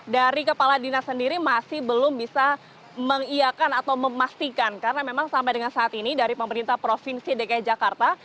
dari kepala dinas sendiri masih belum bisa mengiakan atau memastikan karena memang sampai dengan saat ini dari pemerintah provinsi dki jakarta